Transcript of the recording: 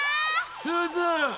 すず！